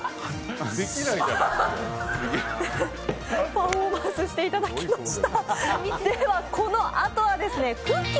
パフォーマンスしていただきました。